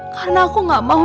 karena aku nggak mau